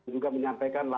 juga menyampaikan laporan